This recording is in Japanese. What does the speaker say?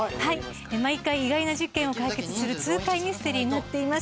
毎回、意外な事件を解決する痛快ミステリーになっています。